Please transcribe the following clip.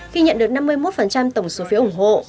khi nhận được năm mươi một tổng số phiếu ủng hộ